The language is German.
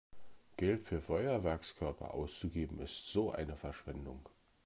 Geld für Feuerwerkskörper auszugeben ist so eine Verschwendung!